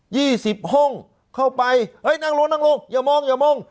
ี่สิบห้องเข้าไปเฮ้ยนั่งลงนั่งลงอย่ามองอย่ามอง